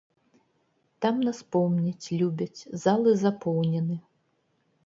Там нас помняць, любяць, залы запоўнены.